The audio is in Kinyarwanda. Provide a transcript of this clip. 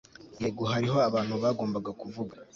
Yego hariho abantu bagombaga kuvuga